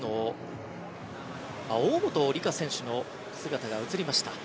大本里佳選手の姿が映りました。